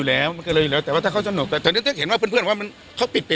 แต่เมื่อนี้ตอนมันเรียกว่าเรื่องมันเปล่า